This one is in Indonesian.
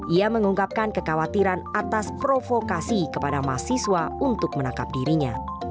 ia mengungkapkan kekhawatiran atas provokasi kepada mahasiswa untuk menangkap dirinya